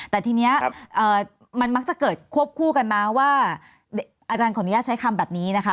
แต่ทีนี้มันมักจะเกิดควบคู่กันมาว่าอาจารย์ขออนุญาตใช้คำแบบนี้นะคะ